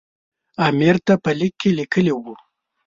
امیر ته په لیک کې ویلي وو.